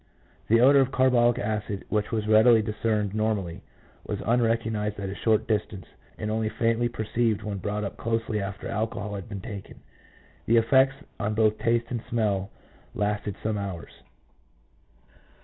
The odour of carbolic acid, which was readily discerned normally, was unrecognized at a short distance, and only faintly perceived when brought up closely after alcohol had been taken. The effects on both taste and smell lasted some hours.